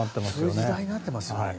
そういう時代になってますよね。